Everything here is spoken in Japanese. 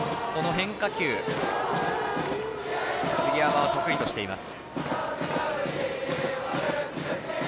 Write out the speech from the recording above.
変化球、杉山は得意としています。